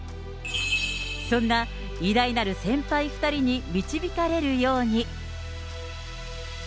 そんな偉大なる先輩２人に導かれるように。